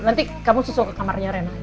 nanti kamu susu ke kamarnya rena